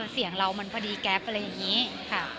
เสียงเรามันพอดีแก๊ปอะไรอย่างนี้ค่ะ